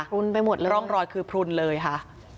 พลุนไปหมดเลยเหรอคะร่องรอยคือพลุนเลยค่ะ